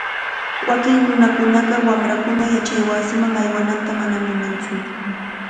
Wakin nunakunaqa wamrankuna yachaywasiman aywananta manam munantsu.